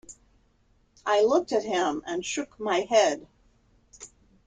I looked at him and shook my head.